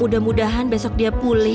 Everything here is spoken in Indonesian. mudah mudahan besok dia pulih